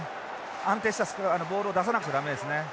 安定したボールを出さなくちゃ駄目ですね。